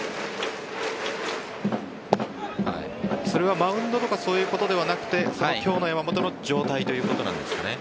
それはマウンドとかそういうことではなくて今日の山本の状態ということなんですかね？